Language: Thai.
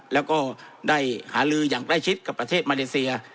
แล้วก็ได้หาลืออย่างใกล้ชิดกับประเทศมาเลเซีย